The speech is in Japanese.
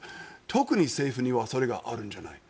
特に政府にはそれがあるんじゃないか。